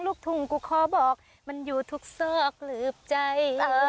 ลูกทุ่งกูขอบอกมันอยู่ทุกซอกหลืบใจ